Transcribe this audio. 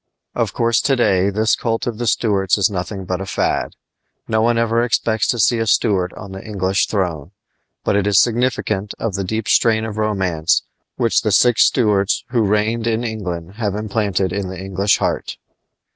Of course, to day this cult of the Stuarts is nothing but a fad. No one ever expects to see a Stuart on the English throne. But it is significant of the deep strain of romance which the six Stuarts who reigned in England have implanted in the English heart.